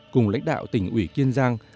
cùng lãnh đạo tỉnh ủy kiên giang